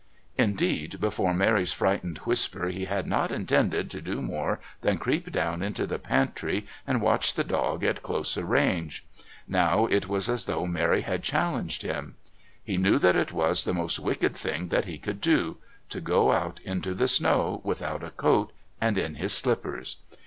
Indeed, before Mary's frightened whisper he had not intended to do more than creep down into the pantry and watch the dog at close range; now it was as though Mary had challenged him. He knew that it was the most wicked thing that he could do to go out into the snow without a coat and in his slippers.